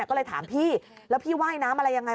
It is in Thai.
ก็เลยถามพี่แล้วพี่ว่ายน้ำอะไรยังไง